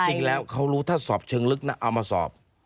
จริงแล้วเขารู้ถ้าสอบเชิงลึกนะเอามาสอบ